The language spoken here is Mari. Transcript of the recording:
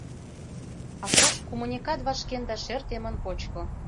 Акош кумынекат вашкен да шер темын кочко.